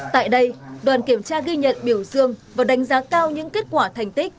tại đây đoàn kiểm tra ghi nhận biểu dương và đánh giá cao những kết quả thành tích